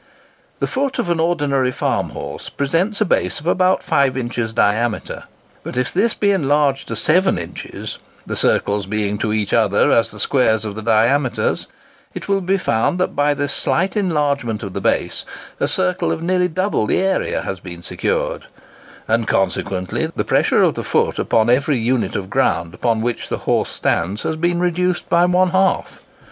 The foot of an ordinary farm horse presents a base of about five inches diameter, but if this base be enlarged to seven inches—the circles being to each other as the squares of the diameters—it will be found that, by this slight enlargement of the base, a circle of nearly double the area has been secured; and consequently the pressure of the foot upon every unit of ground upon which the horse stands has been reduced one half.